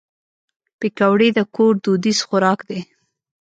پکورې د کور دودیز خوراک دی